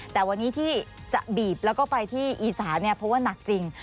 แต่วันนี้ที่จะบีบแล้วก็ไปที่อีสานเนี่ยเพราะว่านักจริง